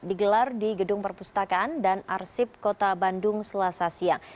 digelar di gedung perpustakaan dan arsip kota bandung selasa siang